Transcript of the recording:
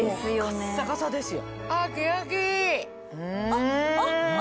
カッサカサですよ。